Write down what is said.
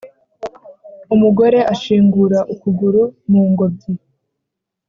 umugore ashingura ukuguru mu ngobyi,